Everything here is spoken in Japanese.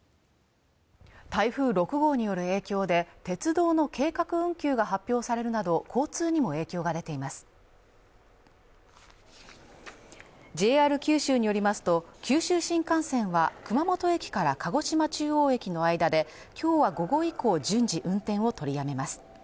台風６号による影響で鉄道の計画運休が発表されるなど交通にも影響が出ていますＪＲ九州によりますと九州新幹線は熊本駅から鹿児島中央駅の間で今日は午後以降順次運転を取りやめます